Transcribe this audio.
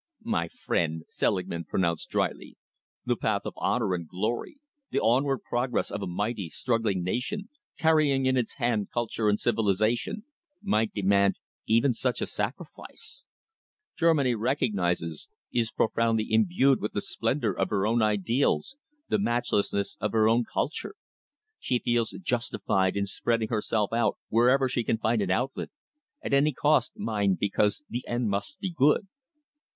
"My friend," Selingman pronounced drily, "the path of honour and glory, the onward progress of a mighty, struggling nation, carrying in its hand culture and civilisation, might demand even such a sacrifice. Germany recognises, is profoundly imbued with the splendour of her own ideals, the matchlessness of her own culture. She feels justified in spreading herself out wherever she can find an outlet at any cost, mind, because the end must be good."